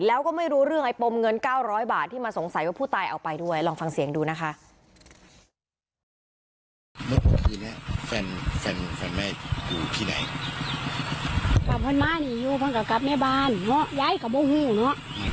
แล้วก็ไม่รู้เรื่องไอ้ปมเงิน๙๐๐บาทที่มาสงสัยว่าผู้ตายเอาไปด้วยลองฟังเสียงดูนะคะ